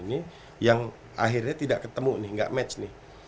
ini yang akhirnya tidak ketemu nih nggak match nih